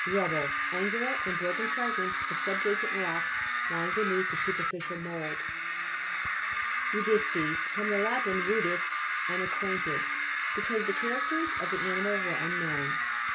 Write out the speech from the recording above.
RUBBLE Angular and broken frag ments of subjacent rock lying be neath the superficial mould. RUDI'STES fr. lat. rudis, unacquaint ed, because the characters of the animal were unknown.